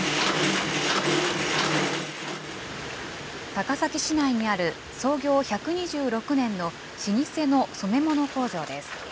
高崎市内にある創業１２６年の老舗の染め物工場です。